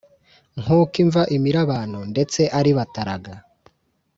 nkuko imva imira abantu, ndetse ari bataraga